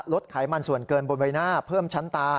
ไขมันส่วนเกินบนใบหน้าเพิ่มชั้นตา